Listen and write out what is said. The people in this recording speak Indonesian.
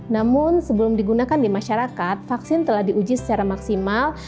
namun sebelum digunakan di masyarakat vaksin telah diuji secara maksimal